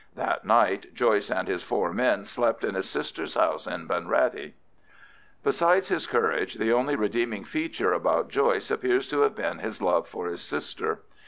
That night Joyce and his four men slept in his sister's house in Bunrattey. Besides his courage, the only redeeming feature about Joyce appears to have been his love for this sister.